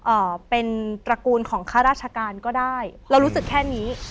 เอ่อเป็นตระกูลของข้าราชการก็ได้เรารู้สึกแค่นี้